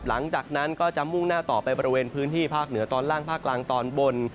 หลังจากนั้นก็จะมุ่งหน้าต่อไปบริเวณพื้นที่ภาคเหนือตอนล่างภาคกลางตอนบน